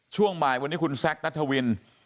ช่วงบ่ายวันนี้คุณแซคนัทวิน